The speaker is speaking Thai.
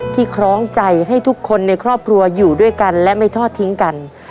คล้องใจให้ทุกคนในครอบครัวอยู่ด้วยกันและไม่ทอดทิ้งกัน